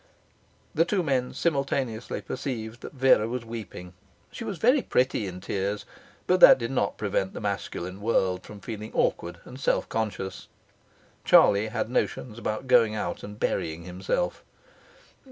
The two men simultaneously perceived that Vera was weeping. She was very pretty in tears, but that did not prevent the masculine world from feeling awkward and self conscious. Charlie had notions about going out and burying himself.